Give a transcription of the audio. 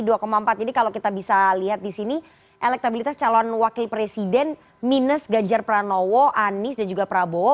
jadi kalau kita bisa lihat disini elektabilitas calon wakil presiden minus ganjar pranowo anies dan juga prabowo